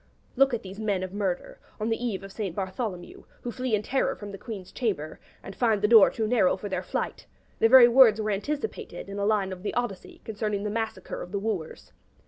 Look at these men of murder, on the Eve of St. Bartholomew, who flee in terror from the Queen's chamber, and 'find the door too narrow for their flight:' the very words were anticipated in a line of the 'Odyssey' concerning the massacre of the Wooers.